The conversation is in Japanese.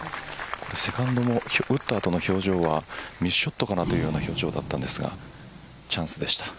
セカンドの打った後の表情はミスショットかなという表情でしたが、チャンスでした。